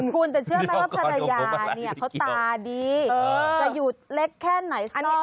คุณจะเชื่อมั้ยว่าภรรยาเขาตาดีจะอยู่เล็กแค่ไหนซ่อม